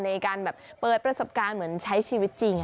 ในการแบบเปิดประสบการณ์เหมือนใช้ชีวิตจริง